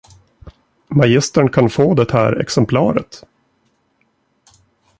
Magistern kan få det här exemplaret.